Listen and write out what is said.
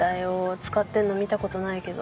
使ってんの見たことないけど。